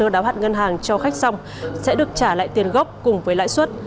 hứa đáo hạn ngân hàng cho khách xong sẽ được trả lại tiền gốc cùng với lãi suất